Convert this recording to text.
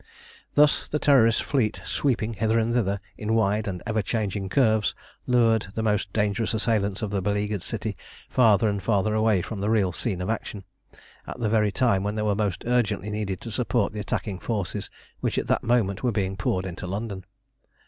Thus the Terrorist fleet, sweeping hither and thither, in wide and ever changing curves, lured the most dangerous assailants of the beleaguered city farther and farther away from the real scene of action, at the very time when they were most urgently needed to support the attacking forces which at that moment were being poured into London.